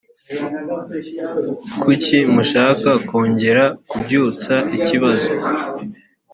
kuki mushaka kongera kubyutsa ikibazo